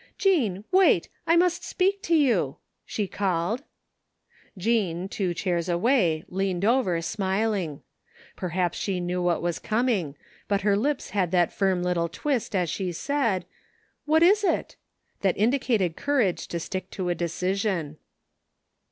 "Jean, wait! I must speak to you," she called. Jean, two chairs away, leaned over, smiling. Perhaps she knew what was coming, but her lips had that firm little twist as she said: " What is it? '' that indicated courage to stick to a decision.